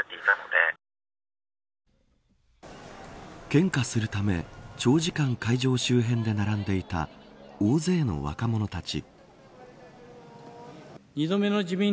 献花するため長時間、会場周辺で並んでいた大勢の若者たち。